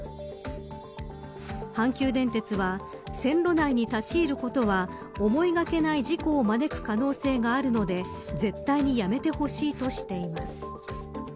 阪急電鉄は線路内に立ち入ることは思いがけない事故を招く可能性があるので絶対にやめてほしいとしています。